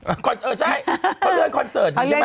เออใช่เพื่อนขอนเซิร์ตดีใช่ป่ะ